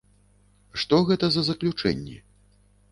Што гэта за заключэнні?